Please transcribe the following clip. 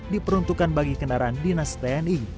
diperuntukkan bagi kendaraan dinas tni